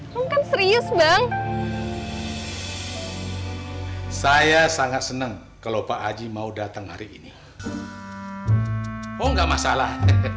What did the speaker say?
bukan serius bang saya sangat senang kalau pak haji mau datang hari ini oh enggak masalah